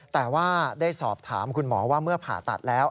แต่ว่าได้สอบถามคุณหมอว่าเมื่อผ่าตัดแล้ว